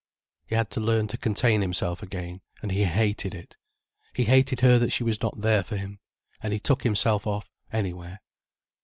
He had to learn to contain himself again, and he hated it. He hated her that she was not there for him. And he took himself off, anywhere.